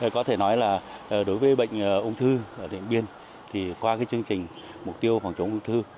có thể nói là đối với bệnh ung thư ở điện biên thì qua chương trình mục tiêu phòng chống ung thư